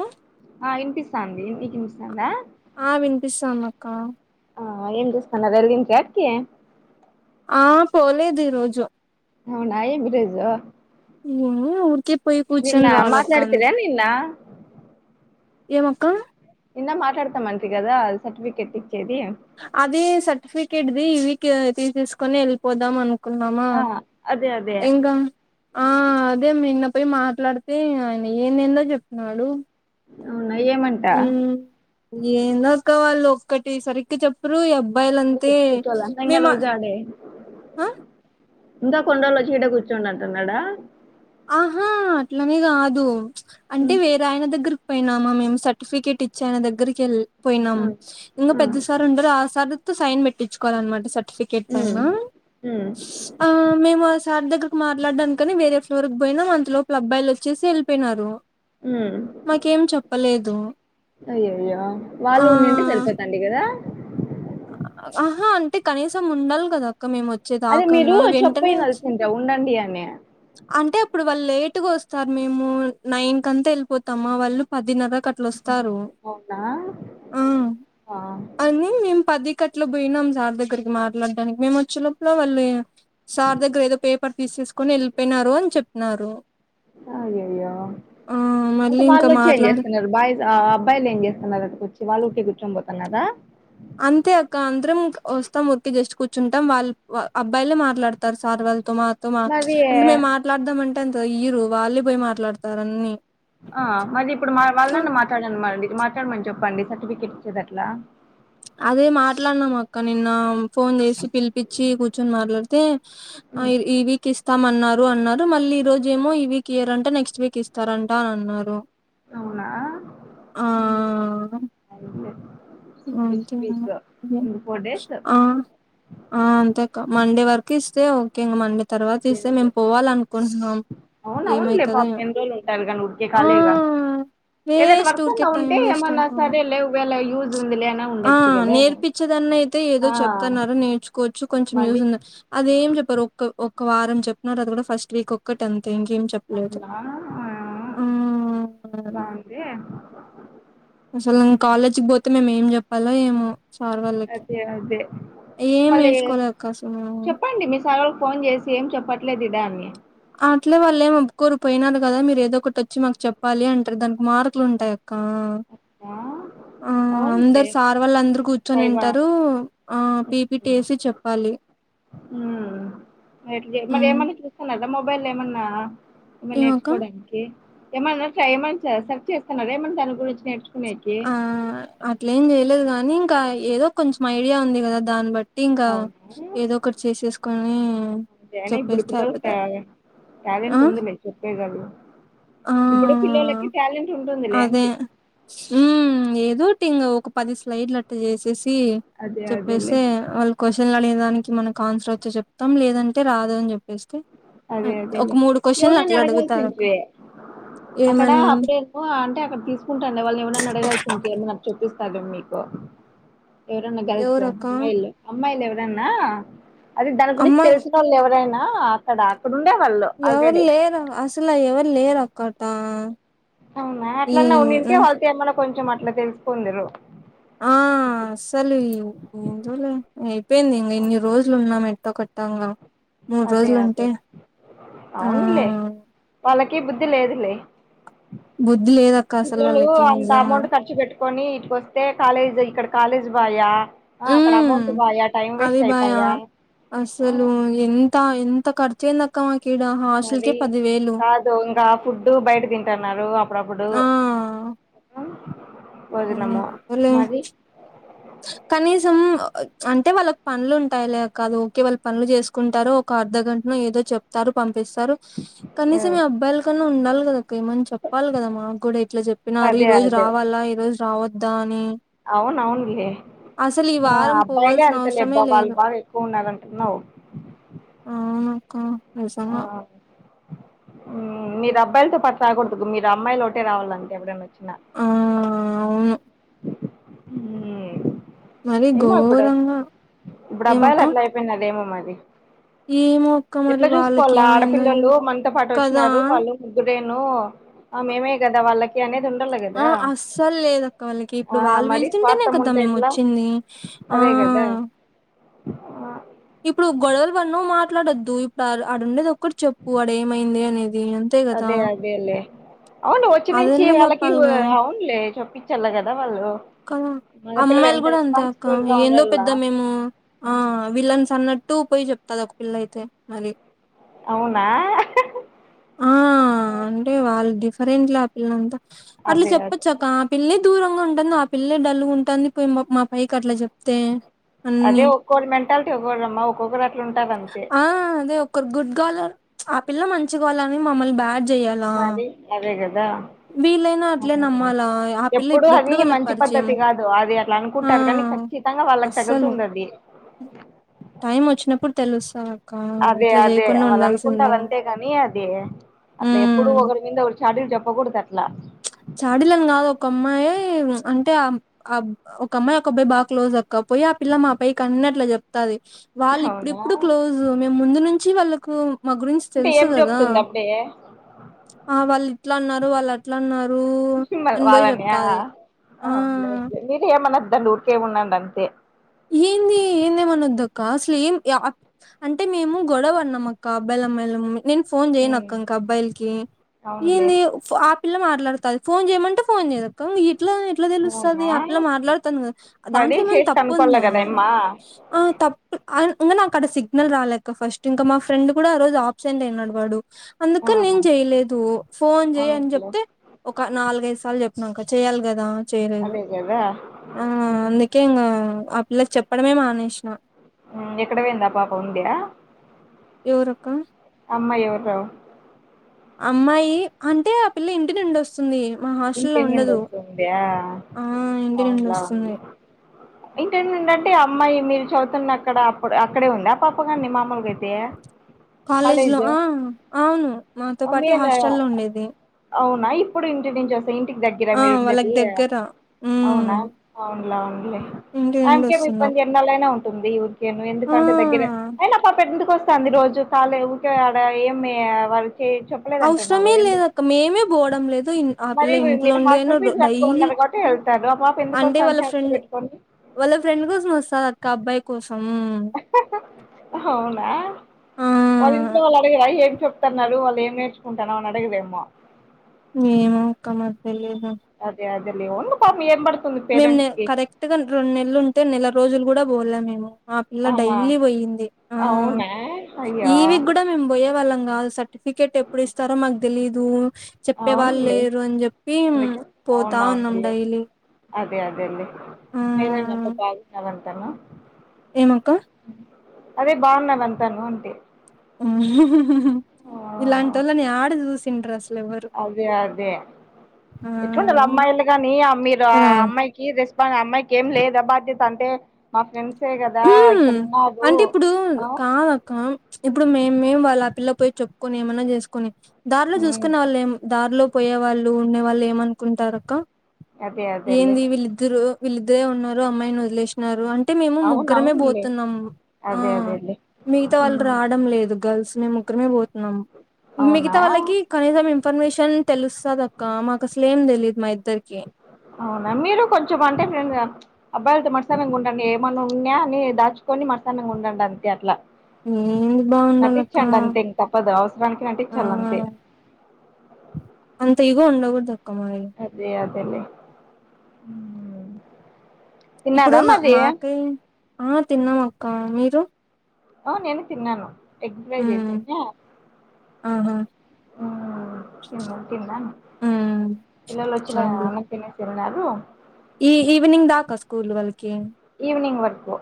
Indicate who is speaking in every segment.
Speaker 1: ఒ
Speaker 2: వినిపిస్తాంది నీకు వినిపిస్తుందా
Speaker 1: ఆ విన్పిస్తామ అక్క
Speaker 2: ఆ ఏం చేస్తాన్నారు ఎల్లిం అకి
Speaker 1: ఆ పోలేదు ఈ రోజు
Speaker 2: అవునా యిబ్రేజు
Speaker 1: ఊరికే పోయి కూర్చొని రావాల అక్క
Speaker 2: మాట్లాడితిరా
Speaker 1: అందుక్
Speaker 2: నిన్న
Speaker 1: ఏమక్క
Speaker 2: ఇందాక్ మాట్లాడతామన్్రి కదా సర్టిఫికెట్కి
Speaker 1: అది సర్టిఫికెట్ది ఇవి తీ తీసుకుొని వెళ్ళిపోదాం అనుకు న్నాము
Speaker 2: ఆ అదే అదే
Speaker 1: ఇంక అదే పోయి మాట్లాడితే ఆయన ఏందందో చెప్తున్నాడు
Speaker 2: అవునా ఏమంట
Speaker 1: ఉ ఏందక్కావాళ్ళు ఒకటి సరిగ్గా చెప్పురు అ మొబైల్ అంతే
Speaker 2: వచ్చి కూర్చోవాల అంతంగా
Speaker 1: మేము
Speaker 2: రోజు ఆడే ఇంకా కొండల్లో చీడ కూర్చుండి అంటున్నాడా
Speaker 1: ఆహా అట్లనే కాదు అంటే
Speaker 2: ఉమ్,
Speaker 1: వేరే ఆయన దగ్గర పోయినామా మేము సర్టిఫికేట్ ఇచ్చి ఆయన దగ్గరికి
Speaker 2: ఆ
Speaker 1: వెళ్ళిపోయినాము ఇంకా
Speaker 2: ఆ
Speaker 1: పెద్ద సార్ ఉండరు ఆ సార్ సర్టిఫికెట్
Speaker 2: ఉమ్
Speaker 1: పైన
Speaker 2: ఉమ్
Speaker 1: సార్ దగ్గకి మాట్లాడడాను కాని వేరే ఫ్లోర్కి పోయినా అంతలో పలబ్బాయిలు వచ్చేసి వెళ్ళపోయినారు మాకేం చెప్పలేదు
Speaker 2: అయ్యో అయ్యో
Speaker 1: ఆ
Speaker 2: వాళ్ళు ఉండింటే సరిపోతండి కదా
Speaker 1: ఆహా అంటే కనీసం ఉండాలి కదా ఇ మేము వచ్చే
Speaker 2: అదే మీరు
Speaker 1: దాకన్నా వెంటనే వచ్చ
Speaker 2: చెప్పినాల్సిందే ఉండండి అని
Speaker 1: అంటే అప్పుడు వాళ్ళు లేట్గా వస్తారు మేము నైన్ కంతా వెళ్ళిపోతామా వాళ్ళు పదిన్నర క
Speaker 2: అవునా ఆ
Speaker 1: అ ఇకట్లు పోయినాం సార్ దగ్గరికి మాట్లాడడానికి మేము వచ్చ లోపల వాళ్ళు సార్ దగ్గర ఏదో పేపర్ తీసేసుకుొని వెళ్ళిపోయినారు అని చెప్తున్నారు
Speaker 2: అయ్య అయ్యో అంటే
Speaker 1: మళ్ళీ ఇంకా
Speaker 2: వాళ్ళు వచ్చి ఏం
Speaker 1: మాట్లాడ
Speaker 2: చేస్తున్నారు బాయ్స్ ఆ అబ్బాయిలు ఏం చేస్తున్నారు అ వాళూటికి కుటుం పోతాన్నాదా
Speaker 1: అంతే అక్క అందరం వస్తాం ఉరికి జస్ట్ కూర్చుంటాం వాళ్ళు అబ్బాయిలే మాట్లాడతారు సార్ వాళ్ళు మత్త మా తమా
Speaker 2: మరి
Speaker 1: అంటే మేము మాట్లాడదామ అంటే అంత ఇరు వాళ్ళే పోయి మాట్లాడతారని
Speaker 2: ఆ మరి ఇప్పుడు మా వాళ్ళన్న మాట్లాడాను మరిడి మాట్లాడమని చెప్పండి సర్టిఫికెట్ ఇచ్చేది అట్లా
Speaker 1: అదే మాట్లాడునాం అక్క నిన్న ఫోన్ చేసి పిలిపచ్చి కూర్చుని మాట్లాడితే ఇవి కస్తామ అన్నారు అన్నారు మళ్ళీ ఈ రోజ ఏమో ఈ వీక్ ఇయ్యరంట నెక్స్ట్ వీక్ ఇస్తారంట అని అన్నారు
Speaker 2: అవునా
Speaker 1: ఆ
Speaker 2: అ
Speaker 1: అంట
Speaker 2: ఫోర్ డేస్
Speaker 1: ఆ ఆ అంతే మండే వరకు ఇస్తే ఓకే ఇం మండే తర్వాత
Speaker 2: అదే
Speaker 1: ఇస్తే
Speaker 2: అదే
Speaker 1: మేము పోవాల అనుకుంటున్నాం ఏమైతుందో
Speaker 2: క కాలగా ఏదైనా
Speaker 1: వేస్ట్ ఊరికే
Speaker 2: వర్తంలో
Speaker 1: టైం
Speaker 2: ఉంటే
Speaker 1: వేస్ట్
Speaker 2: ఏమైనా
Speaker 1: అక్క
Speaker 2: సరే లే వేళ యూజ్ ఉంది లేనా ఉండొచ్చు కదా
Speaker 1: ఏన్నా అయితే ఏదో
Speaker 2: ఆ
Speaker 1: చెప్తున్నారో నేర్చుకోవచ్చు కొంచెం యూజ్
Speaker 2: మరి
Speaker 1: ఉంది అదేం చెప్పారు ఒ ఒక వారం చెప్తున్నారు అది కూడా ఫస్ట్ వీక్ ఒక్కటత
Speaker 2: అమా ఆ
Speaker 1: ఆ
Speaker 2: బాగుంది
Speaker 1: అసలు
Speaker 2: ఉమ్,
Speaker 1: కాలేజ్కి పోతే మేము ఏం చెప్పాలో ఏమో సార్ వాళ్ళకి
Speaker 2: అదే అదే
Speaker 1: ఏం
Speaker 2: మళ్ళీ
Speaker 1: నేర్చుకోలే అవకాశం మేము
Speaker 2: చెప్పండి మీ సార్ వాళ్ళకి ఫోన్ చేసి ఏం చెప్పట్లేదు ఇదా అన్ని
Speaker 1: అట్లే వాళ్ళు ఏం ఒప్పు కోరిపోయినారు కదా మీరు ఏదో ఒకటి వచ్చి మాకు చెప్పాలి అంటారు దానికి మార్కులు ఉంటాయి అక్క ఆ
Speaker 2: అ
Speaker 1: అందరు సార్ వాళ్ళు అందరు కూర్చొనింటారు ఆ పీపిటీసి చెప్పాలి
Speaker 2: మరి
Speaker 1: ఉమ్
Speaker 2: ఏమన్నా చూస్తున్నారా మొబైల్ ఏమన్నా ఏమ
Speaker 1: ఏమక్క
Speaker 2: నేర్చుకోవడానికి ఏమన్నా ఏమ సెర్చ్ చేస్తున్నారు ఏమన్నా దాని గురించి నేర్చు
Speaker 1: ఆ అట్ల ఏం చేయలేదు కాగానీ ఇంకా ఏదో కొంచెం ఐడియా ఉంది కదా దాన్ని బట్టి ఇంకా ఏదో ఒకటి చేసేసుకొని
Speaker 2: అంతేనే ఇప్పుడు
Speaker 1: చెప్పేస్తే
Speaker 2: ప
Speaker 1: అయిపోతది ఆ
Speaker 2: టాలెంట్ ఉందిలే చెప్పే కాదు
Speaker 1: ఆ
Speaker 2: ఇప్పుడు పిల్లలకి టాలెంట్ ఉంటుంది లేంటి
Speaker 1: ఉ ఏదోటి ఇంగ్ ఒక పది స్లైడ్లు అట్టటు చేసి వచ్చేసి
Speaker 2: అదే అదేలే
Speaker 1: చెప్పేసి వాళ్ళు క్వశ్చన్డి దానికి మనకు ఆన్సర్ వచ్చి చెప్తాం లేదంటే రాద అని చెప్పేస్తే
Speaker 2: అదే
Speaker 1: ఒక
Speaker 2: అదేలే
Speaker 1: మూడు క్వశ్చన్లు
Speaker 2: ఎవరన్నా
Speaker 1: అట్లా అడుగుతారు ఒక
Speaker 2: అడగాల్సింటివే అక్కడ అప్పుడేను అంటే అక్కడ తీసుకుంటాను అనే వాళ్ళ ఏవలన్నా అడగాల్సింది. మీకు చూపిస్తారు. మీకు ఎవరన్నా గర్ల్స్
Speaker 1: ఎవరక్క
Speaker 2: అమ్మాయిలు అమ్మాయిలు ఎవరన్నా, అది దాని గురించి
Speaker 1: అమ్మాయి
Speaker 2: తెలిసినోళ్లు ఎవరైనా అ అక్కడ అక్కడుడే
Speaker 1: ఎవరు లేరు, అసలు ఎవరు లేరు, అక్క టా
Speaker 2: అవునా, అట్లాన్నావునుంటి వాళ్ళతేమన్నా కొంచెం అట్లా తెలుసుకుందురు.
Speaker 1: ఆ అసలు ఎందోలె, అయిపోయింద ఇంగా ఇన్ని రోజులున్నాం. కట్టాంగ్
Speaker 2: అదే అదే
Speaker 1: ఆ
Speaker 2: అవునులే, వాళ్ళకి బుద్ధి లేదులే.
Speaker 1: బుద్ధి లేదక్క అసలు
Speaker 2: పిల్లలు
Speaker 1: వాళ్ళకి
Speaker 2: అంత
Speaker 1: నిజంగా
Speaker 2: అమౌంట్ ఖర్చు పెట్టుకొని, ఇటుకొస్తే కాలేజీ ఇక్కడ కాలేజ్ బాయా, అక్కడ
Speaker 1: హ్మ్
Speaker 2: అమౌంట్ బాయా, టైమ్
Speaker 1: అది
Speaker 2: వేస్ట్
Speaker 1: భయ
Speaker 2: అయిపోయా.
Speaker 1: ఇంత ఖర్చు అయింది. అక్క మా
Speaker 2: మరి కాదు, ఇంగా ఫుడ్ బయట తింటున్నారు. అప్పుడప్పుడు స్
Speaker 1: మ్ ఓలే చ్
Speaker 2: అ
Speaker 1: కనీసం అంటే, వాళ్ళకి పనులు ఉంటాయి. లే కాదు ఓకే వాళ్ళు పనులు చేసుకుంటారు. ఒక అర్ధగంట ఏదో చెప్తారు. పంపిస్తారు
Speaker 2: ఆ,
Speaker 1: కనీసం మీ అబ్బాయిల కన్నా ఉండాలి. కదా ఇ ఏమన్నా చెప్పాలి. కదా మాకు కూడా ఇట్లా చెప్పినారు. ఈ
Speaker 2: అదే
Speaker 1: రోజు రావాలా, ఈ రోజు రావద్దా అని.
Speaker 2: అవునవును.
Speaker 1: అసలు ఈ
Speaker 2: ఆ
Speaker 1: వారం
Speaker 2: అబ్బాయిలే
Speaker 1: పోవాల్సిన
Speaker 2: అంత
Speaker 1: అవసరమే
Speaker 2: లేబ్బా, వాళ్ళు
Speaker 1: లేదు
Speaker 2: బాగా ఎక్కువ ఉన్నరటున్నావ్.
Speaker 1: అవునక్క
Speaker 2: ఆ
Speaker 1: నిజంగా
Speaker 2: మీరు అబ్బాయిలతో పాటురాగూడదు, మీరు అమ్మాయిలు ఒకటే రావాలంటే, ఎప్పుడైనా వ చ్చినా
Speaker 1: ఆ అవును
Speaker 2: హు
Speaker 1: మరి
Speaker 2: ఏమో ఇప్పుడు,
Speaker 1: ఘోరంగా
Speaker 2: ఇప్పుడు అబ్బాయిలు
Speaker 1: ఏమక్క
Speaker 2: అట్లా అయిపోయినర్, ఏమో మరి
Speaker 1: ఏమో అక్క మరి
Speaker 2: ఎట్లా
Speaker 1: వాళ్ళకి
Speaker 2: చూసుకోవాలా,
Speaker 1: ఏమైందో ఏమో
Speaker 2: ఆడపిల్లలు మనతో పాటు
Speaker 1: కదా
Speaker 2: వచ్చినారు, వాళ్ళు ముగ్గురు ను ఆ మేమే గదా, వాళ్ళకి అనేది. ఉ
Speaker 1: ఆ అస్సలు లేదు. అ క్క వాళ్ళు కి
Speaker 2: ఆ
Speaker 1: వాళ్ళు
Speaker 2: మరి
Speaker 1: పిలిస్టేనా
Speaker 2: స్వార్థం
Speaker 1: గదా,
Speaker 2: ఉంటే
Speaker 1: మేము
Speaker 2: ఎట్లా
Speaker 1: వచ్చింది. ఆ
Speaker 2: ఆ
Speaker 1: ఇప్పుడు గొడవలు వన్న మాట్లాడొద్దు. ఇప్పుడు అడుండేది, ఒక్కటి చెప్పు అడ ఏమైంది. అనేది అంతే కదా
Speaker 2: అదే అదే లే అవును, వచ్చి నుంచి
Speaker 1: అదన్నా
Speaker 2: వాళ్ళకి
Speaker 1: చెప్పాలిగా
Speaker 2: అవునులే చేప్పించాలి గదా. వాళ్ళు
Speaker 1: కదా
Speaker 2: మగపిల్లలు
Speaker 1: అమ్మాయిలు
Speaker 2: ఎంత
Speaker 1: గూడా అంతే అక్క,
Speaker 2: రెస్పాన్సిబుల్ గా
Speaker 1: ఏందో
Speaker 2: ఉండాల
Speaker 1: పెద్ద మేము ఆ విలన్స్ అన్నట్ టూ పోయి చెపతాది. ఒక పిల్ల అయితే మరి
Speaker 2: అవునా, అ
Speaker 1: అరేంలా, ఆ పిల్లంతా అట్లా
Speaker 2: అదే
Speaker 1: చెప్పొచ్చాక పిల్లే దూరంగా ఉంటుంది. ఆ పిల్లే డల్లుగా ఉంటుంది. మా పైకి అట్లా చెప్తే అన్ని
Speaker 2: అదే ఒక్కొరు మెంటాలిటీ, ఒకోరమ్మా ఒక్కొక్కరు అట్లు ఉంటారు. అంతే
Speaker 1: ఆ అదే ఒకరు గుడ్ కాలర్, ఆ పిల్ల మంచి కావాలని, మమ్మల్ని బ్యాడ్ చేయాలా
Speaker 2: మరి, అదే గదా
Speaker 1: వీళ్ళైనా అట్లే నమ్మాలా ఆ పిల్ల
Speaker 2: ఎప్పుడు,
Speaker 1: ఇప్పుడు ఇప్పుడు
Speaker 2: అది
Speaker 1: వాళ్ళకి
Speaker 2: మంచి
Speaker 1: పరిచయం
Speaker 2: పద్ధతి గాదు, అది అట్లా
Speaker 1: ఆ
Speaker 2: అనుకుంటారు. గానీ ఖచ్చితంగా వాళ్ళకి తగులుతుండది.
Speaker 1: టైమ్ వచ్చినప్పుడు తెలుస్తాది.
Speaker 2: అదే అదే వాళ్ళ అనుకుంటారు. అంతేగాని అదే అట్లా ఎప్పుడు
Speaker 1: ఉమ్
Speaker 2: ఒకరి మీద చాడీలు చెప్పకూడదు. అట్లా
Speaker 1: చాడీలని గాదు, ఒక అమ్మాయి అంటే, ఒక అమ్మాయి ఒక అబ్బాయి బాగా క్లోజ్ అక్క పోయి ఆ పిల్లం మా పై కన్నెట్ల చెప్తాది వాళ్ళు
Speaker 2: అవునా
Speaker 1: ఇప్పుడిప్పుడు క్లోజ్ మేము ముందు నుంచి వాళ్ళకు మా గురించి
Speaker 2: అంటే
Speaker 1: తెలుసు
Speaker 2: ఏం
Speaker 1: కదా
Speaker 2: చెప్తుంది అప్పుడే
Speaker 1: ఆ వాళ్ళు ఇట్లా అన్నారు వాళ్ళు అట్లా అన్నారు
Speaker 2: షమల్
Speaker 1: అని పోయి
Speaker 2: వాళ్ళనియావు
Speaker 1: చెప్తాది ఆ
Speaker 2: అవునులే అవునులే మీది ఏమన్నా ద ఊరికే ఉండండి అంతే
Speaker 1: ఏంది ఏందేమనొద్దక్క అసలు ఏం ఆ అంటే మేము గొడవ అడిన్నా అక్క అబాయిలమ్ అమ్మాయిలమ్ నేను ఫోన్
Speaker 2: ఉమ్,
Speaker 1: చేయనాక్కంక అబ్బాయిల్కి
Speaker 2: అవునులే
Speaker 1: ఏంది ఫ ఆ పిల్ల మాట్లాడుతది ఫోన్ చెయమంటే ఫోన్ చేయదక్క ఇంగా ఏ ఎట్లా ఎట్లా తెలుస్తుంది
Speaker 2: అవునా
Speaker 1: ఆ పిల్ల మాట్లాడుతుంది కదా
Speaker 2: మరి
Speaker 1: దాంట్లో ఏమన్నా
Speaker 2: చేసి
Speaker 1: తప్
Speaker 2: కనుక్కోవాల
Speaker 1: ఉందా
Speaker 2: కదమ్మా
Speaker 1: ఆ తప్పు ఆ ఇంగా నాకు అడ సిగ్నల్ రాలెక ఫస్ట్ ఇంకా మా ఫ్రెండ్ కూడా ఆ రోజు ఆబ్సెంట్ అయినడు వాడు
Speaker 2: ఆ
Speaker 1: అందుక నేను చెయలేదు ఫోన్ చెయ్ అని
Speaker 2: అవునులే
Speaker 1: చెప్తే ఒక నాలుగైదు సార్లు చెప్ నాకా చెయాలి కదా చేయలేదు
Speaker 2: అదే కదా
Speaker 1: ఆ
Speaker 2: ఉమ్,
Speaker 1: అందుకే ఇంగా ఆ పిల్లలకి చెప్పడమే మానేసిన
Speaker 2: ఉ ఎక్కడ పోంది ఆ పాప ఉందా
Speaker 1: ఎవరొక్క
Speaker 2: అమ్మయూ యోవర్ రావు
Speaker 1: అమ్మాయి అంటే ఆ పిల్ల ఇంటి నుండి వస్తుంది మా
Speaker 2: ఇంటి
Speaker 1: హాస్టల్లో
Speaker 2: నుండి
Speaker 1: ఉండదు
Speaker 2: వస్తుందా
Speaker 1: ఆ ఇంటి నుండి
Speaker 2: అవునులా
Speaker 1: వస్తుంది
Speaker 2: అవునులే ఇంటి నుండి అంటే అమ్మాయి మీరు చదువుతున్న అక్కడ అప్పుడు అక్కడే ఉంది ఆ పాప కాని మామలుగేట్ పే
Speaker 1: కాలేజ్ లో ఆ అవును మాతో పాటు హాస్ట లో ఉండేది
Speaker 2: నా ఇప్పుడు ఇంటి నుంచి వస్తే ఇంటికి దేగ్గర
Speaker 1: ఆ
Speaker 2: మీరు ఉండేది
Speaker 1: వాళ్ళకి దగ్గర ఉమ్
Speaker 2: అవునా అవున్లే అవుంలే
Speaker 1: ఇంటి నుండి
Speaker 2: ఆంకేమి
Speaker 1: వస్తున్నా
Speaker 2: ఇబ్బంది ఎన్నాలైనా ఉంటుంది ఉరికేను
Speaker 1: ఆ
Speaker 2: ఎందుకంటే దేగ్గరే అయినా పాప ఎట్లుంటుంది కో వస్తుంది రోజు కాలే ఊకే ఆడ ఏమి వాళ్ చే చెప్పలేదు అంటున్నావు
Speaker 1: అవసరమే
Speaker 2: కదా ఎందు
Speaker 1: లేదక్క మేమే పోవడం లేదు ఇన్ ఆ పిల్ల
Speaker 2: మరి
Speaker 1: ఇంట్లో
Speaker 2: మీరు
Speaker 1: ఉండి అయినా
Speaker 2: హాస్టల్
Speaker 1: రో
Speaker 2: ఫీజు కట్టుకొని
Speaker 1: డైలీ
Speaker 2: ఉన్నరూ కాట్టి వెళ్తారు ఆ పాప ఎందుకు
Speaker 1: అంటే
Speaker 2: వస్తాంది
Speaker 1: వాళ్ళ
Speaker 2: చఛార్జి
Speaker 1: ఫ్రెండ్
Speaker 2: పెట్టుకొని
Speaker 1: వాళ్ళ ఫ్రెండ్ కోసం వస్తారు అక్క అబ్బాయి కోసం
Speaker 2: హావునా
Speaker 1: ఆ
Speaker 2: వాళ్ళ ఇట్లో వాళ్ళు అడగరా ఏం చెప్తున్నారు వాళ్ళు ఏం నేర్చుకుంటా అని అడిగరేమో
Speaker 1: ఏమో ఒక్క మరి తెలేదు
Speaker 2: దే ఊలే పాపం బడుంది
Speaker 1: మేము నే కరెక్ట్ గా రెండు నెలలు ఉంటే నెల రోజులు కూడా పోోలే మేము ఆ పిల్ల డైలీ పోయింది ఆ
Speaker 2: అవునా అయ్యో
Speaker 1: ఈవీక్ కూడా మేము పోయే వాళ్ళం కాదు సర్టిఫికేట్ ఎప్పుడు ఇస్తారో మాకు తెలీదు చెప్పే వాళ్ళు
Speaker 2: అవునులే
Speaker 1: లేరు అని చెప్పి
Speaker 2: అందుకే
Speaker 1: పోతా ఉన్నాం
Speaker 2: అవునవునులే
Speaker 1: డైలీ
Speaker 2: అదే అదే లే
Speaker 1: ఆ
Speaker 2: మేలేనే అంతా బాగున్నారు అంతాను
Speaker 1: ఏమక్క
Speaker 2: అదే బాన్నారు అంతాను ఆంటీ
Speaker 1: ఉహు ఇలాంటోళ్ళని యాడ చూసింట్రస్
Speaker 2: అదే అదే
Speaker 1: ఆ
Speaker 2: ఎట్ండాల అమ్మాయిలు కాని మీరు ఆ
Speaker 1: కదా
Speaker 2: అమ్మాయికి రెస్ బా అమ్మాయికి ఏం లేద బాధ్యత అంటే మా ఫ్రెండ్స్
Speaker 1: ఉ అంటే ఇప్పుడు
Speaker 2: ఆ
Speaker 1: కాదక్క ఇప్పుడు మే మేము వాళ్ళ ఆ పిల్ల పోయి చెప్పుకొని ఏమన్నా చేసుకోని దారిలో
Speaker 2: ఉమ్
Speaker 1: చూసుకునే వాళ్ళు ఏం దారిలో పోయే వాళ్ళు ఉండే వాళ్ళు ఏమనుకుంటారూ అక్క
Speaker 2: అదే అదేలే
Speaker 1: ఏంది వీళ్ళిద్దరు వీలుద్దరే ఉన్నారు అమ్మాయిని వదిలేసినారు అంటే మేము ముగు
Speaker 2: అవును
Speaker 1: ముక్కరమే
Speaker 2: అవునులే
Speaker 1: పోతున్నాం ఆ
Speaker 2: అదే అదేలే
Speaker 1: మిగతా వాళ్ళు
Speaker 2: ఉమ్
Speaker 1: రావడం లేదు గర్ల్స్ మేము ముక్కరమే పోతు నం
Speaker 2: అవునా
Speaker 1: మిగతా వాళ్ళకి కనీసం ఇన్ఫర్మేషన్ తెలుస్తా అక్క మాకు అస క్లేమ్ దెలీదు మా ఇ
Speaker 2: అవునా, మీరు కొంచెం అంటే ఫ్రెండ్ గా అబ్బాయిలతో మడసానంగా ఉండండి. ఏమన్న ఉన్నా అన్ని దాచుకొని మడసానంగా ఉండండి. అంతే అట్ల.
Speaker 1: ఏంది బాగుండాలక్క
Speaker 2: నటించండి అంతే. ఇంక తప్పదు. అవసరానికి
Speaker 1: ఆ
Speaker 2: నటించల్ల అంతే.
Speaker 1: అంత ఈగో ఉండకూడదక్క మరి.
Speaker 2: అంతేలే మ్
Speaker 1: ఇప్పుడు నా మాకై, ఆ తిన్నాం అక్క. మీరు?
Speaker 2: ఆ నేను తిన్నాను. ఎగ్ ఫ్రై
Speaker 1: మ్మ్
Speaker 2: చేసింట్నా
Speaker 1: ఆహా
Speaker 2: మ్ తిన్న. తిన్నను.
Speaker 1: మ్మ్
Speaker 2: పిల్లలు వచ్చిన
Speaker 1: అండి
Speaker 2: అనక్ తినేసి తిన్నారు.
Speaker 1: ఈ ఈవినింగ్ దాకా స్కూల్ వాళ్ కి
Speaker 2: ఈవనింగ్ వరకు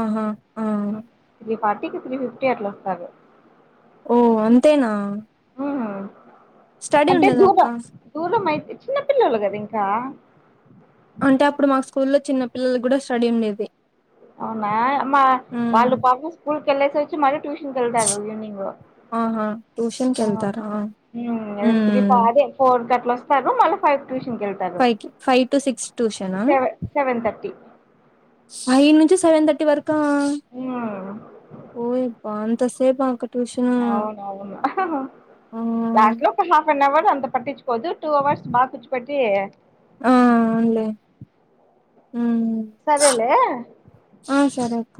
Speaker 1: ఆహా ఆ
Speaker 2: త్రీ ఫార్టీ కి, త్రీ ఫిఫ్టీ అట్ల వస్తారు.
Speaker 1: ఓ అంతేనా!
Speaker 2: మ్మ్
Speaker 1: స్టడీ
Speaker 2: అంటే
Speaker 1: ఉండదా
Speaker 2: దూబ
Speaker 1: అక్క
Speaker 2: దూరం అయితే చిన్న పిల్లలు కదా ఇంకా
Speaker 1: అంటే అప్పుడు మా స్కూల్లో చిన్న పిల్లలకి కూడా స్టడీ ఉండేది.
Speaker 2: అవునా మా
Speaker 1: ఉమ్
Speaker 2: వాళ్ళు పాపం స్కూల్ కెళ్ళేసి ఒచ్చి, మళ్ళీ ట్యూషన్ కెళ్తారు. ఈవినింగు.
Speaker 1: ఆహా ట్యూషన్ కి
Speaker 2: అ
Speaker 1: వెళ్తారా
Speaker 2: మ్ నెక్స్ట్ వీక్
Speaker 1: ఉమ్
Speaker 2: ఫాదే ఫోర్ క అట్లోస్తారు. మళ్ళా ఫైవ్ కి ట్యూషన్ కెళ్తారు.
Speaker 1: ఫైవ్ కి ఫైవ్ టు సిక్స్
Speaker 2: సెవ సెవెన్ థర్టీ.
Speaker 1: ఐదు నుంచి సెవెన్ తర్టీ వరకా,
Speaker 2: మ్మ్
Speaker 1: ఓయబ్బ అన్ త సేప అక్
Speaker 2: అవునవును.
Speaker 1: ఆ
Speaker 2: లాస్ట్ లో ఒక హాఫ్ అన్ అవర్, కు అంత పట్టిచ్చుకోదు. టూ అవర్స్ బా పుచ్చుపెట్టి,
Speaker 1: ఆ అవున్ లె. మ్.
Speaker 2: సరేలే
Speaker 1: ఆ సరే అక్క.